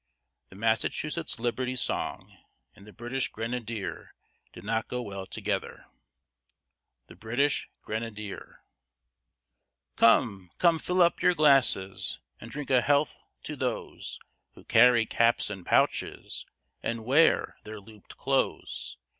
The "Massachusetts Liberty Song" and "The British Grenadier" did not go well together. THE BRITISH GRENADIER Come, come fill up your glasses, And drink a health to those Who carry caps and pouches, And wear their looped clothes.